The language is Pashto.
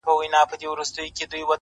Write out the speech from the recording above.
دنيا په امېد خوړله کېږي.